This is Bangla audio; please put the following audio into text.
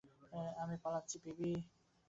আমি পালাচ্ছি, পিবি।